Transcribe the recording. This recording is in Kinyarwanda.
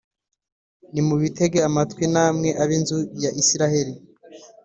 nimubitege amatwi namwe, ab’inzu ya Israheli,